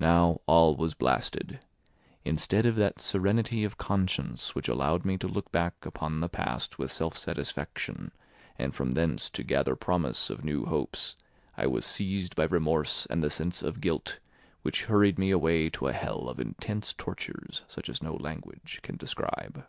Now all was blasted; instead of that serenity of conscience which allowed me to look back upon the past with self satisfaction, and from thence to gather promise of new hopes, I was seized by remorse and the sense of guilt, which hurried me away to a hell of intense tortures such as no language can describe.